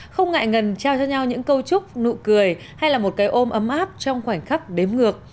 không ngại ngần trao cho nhau những câu chúc nụ cười hay là một cái ôm ấm áp trong khoảnh khắc đếm ngược